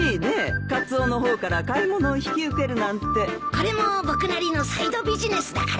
これも僕なりのサイドビジネスだからね。